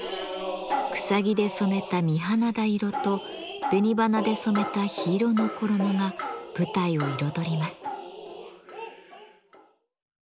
草木で染めた水縹色と紅花で染めた緋色の衣が舞台を彩ります。